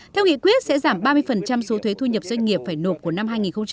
theo nghị quyết sẽ giảm ba mươi số thuế thu nhập doanh nghiệp phải nộp của năm hai nghìn hai mươi